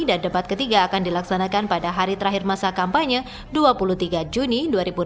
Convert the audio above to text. dan debat ketiga akan dilaksanakan pada hari terakhir masa kampanye dua puluh tiga juni dua ribu delapan belas